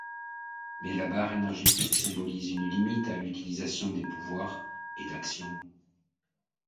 Mais la barre énergétique symbolise une limite à l'utilisation des pouvoirs et d'actions.